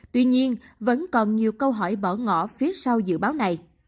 tuy nhiên vẫn còn nhiều câu hỏi bỏ ngại